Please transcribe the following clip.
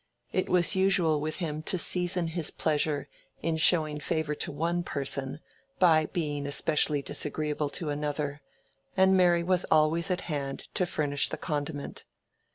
It was usual with him to season his pleasure in showing favor to one person by being especially disagreeable to another, and Mary was always at hand to furnish the condiment.